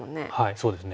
そうですね。